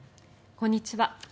こんにちは。